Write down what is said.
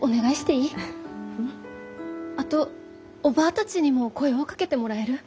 あとおばぁたちにも声をかけてもらえる？